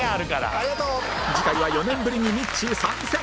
次回は４年ぶりにミッチー参戦